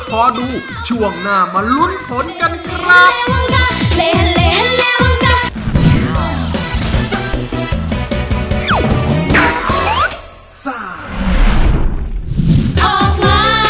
พอดูช่วงหน้ามาลุ้นผลกันครับ